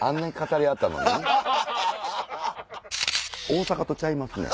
大阪とちゃいますね。